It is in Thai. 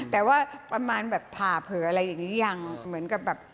แต่ว่าประมาณแบบผ่านเผลออะไรอย่างนี้ยัง